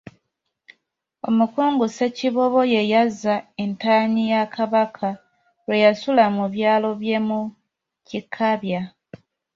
Omukungu Ssekiboobo ye yazza entanyi Kabaka lwe yasula mu byalo bye mu Kikaabya.